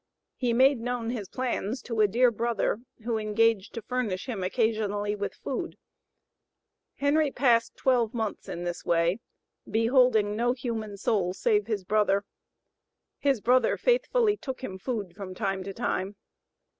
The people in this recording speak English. He made known his plans to a dear brother, who engaged to furnish him occasionally with food. Henry passed twelve months in this way, beholding no human soul save his brother. His brother faithfully took him food from time to time.